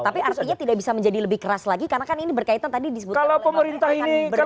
tapi artinya tidak bisa menjadi lebih keras lagi karena kan ini berkaitan tadi disebutkan